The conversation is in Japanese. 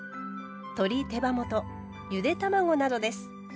鶏手羽元ゆで卵などです。